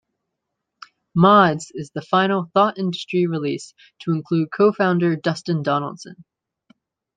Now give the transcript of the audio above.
"Mods" is the final Thought Industry release to include co-founder Dustin Donaldson.